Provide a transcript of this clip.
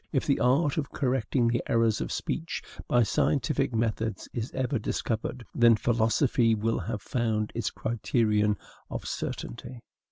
If the art of correcting the errors of speech by scientific methods is ever discovered, then philosophy will have found its criterion of certainty.